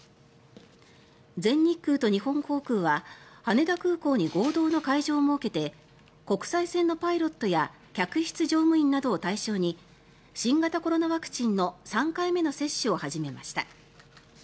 全日空と日本航空は羽田空港に合同の会場を設けて国際線のパイロットや客室乗務員などを対象に新型コロナワクチンの３回目の接種を始めました。